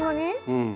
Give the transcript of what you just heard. うん。